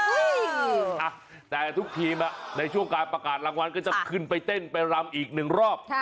นี่แต่ทุกทีมในช่วงการประกาศรางวัลก็จะขึ้นไปเต้นไปรำอีกหนึ่งรอบ